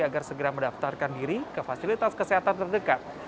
agar segera mendaftarkan diri ke fasilitas kesehatan terdekat